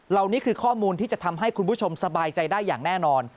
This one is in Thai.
นี่คือข้อมูลที่จะทำให้คุณผู้ชมสบายใจได้อย่างแน่นอน